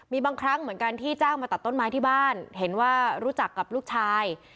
มีบางครั้งเหมือนกันที่จ้างมาตัดต้นไม้ที่บ้านเห็นว่ารู้จักกับลูกชาย